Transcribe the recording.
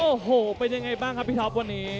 โอ้โหเป็นยังไงบ้างครับพี่ท็อปวันนี้